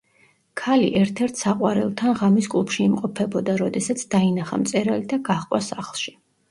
ქალი ერთ-ერთ საყვარელთან ღამის კლუბში იმყოფებოდა, როდესაც დაინახა მწერალი და გაჰყვა სახლში.